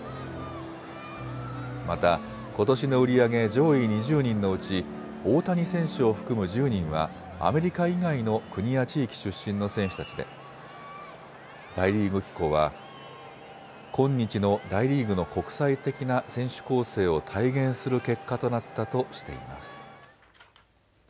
またことしの売り上げ上位２０人のうち大谷選手を含む１０人はアメリカ以外の国や地域出身の選手たちで大リーグ機構は今日の大リーグの国際的な選手構成を体現する結果となったとしています。